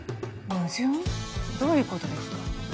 どういう事ですか？